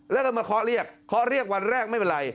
แล้วก็มาเคาะเรียกเคาะเรียกวันแรกไม่เป็นไร